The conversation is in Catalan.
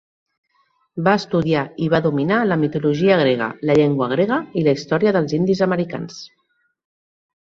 Va estudiar i va dominar la mitologia grega, la llengua grega i la història dels indis americans.